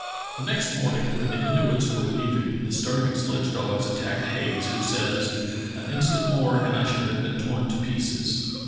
The next morning when the Inuits were leaving the starving sledge dogs attacked Hayes, who says: "An instant more and I should have been torn to pieces.